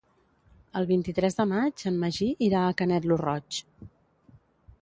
El vint-i-tres de maig en Magí irà a Canet lo Roig.